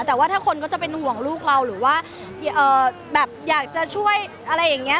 แต่ว่าถ้าคนก็จะเป็นห่วงลูกเราหรือว่าแบบอยากจะช่วยอะไรอย่างนี้